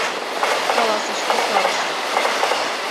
— каласыш кусарыше.